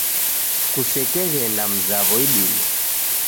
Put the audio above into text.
Kusekeghenda mzaw'o idime.